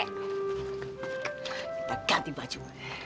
kita ganti baju